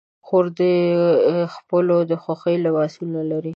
خور د خپلو د خوښې لباسونه لري.